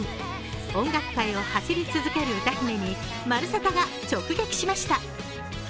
音楽界を走り続ける歌姫に「まるサタ」が直撃しました。